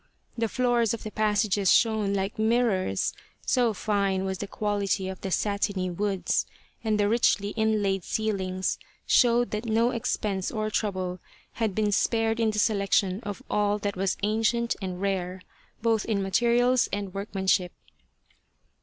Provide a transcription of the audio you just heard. The floors of the passages shone like mirrors, so fine was the quality of the satiny woods, and the richly inlaid ceilings showed that no expense or trouble had been spared in the selection of all that was ancient and 90 The Spirit of the Lantern rare, both in materials and workmanship.